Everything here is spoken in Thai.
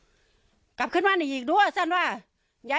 ภรรยาก็บอกว่านายเทวีอ้างว่าไม่จริงนายทองม่วนขโมย